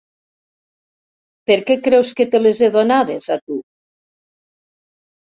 Per què creus que te les ha donades a tu?